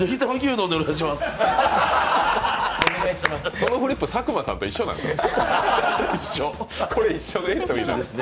そのフリップ佐久間さんと一緒なんですよ。